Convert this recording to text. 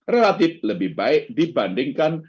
relatif lebih baik dibandingkan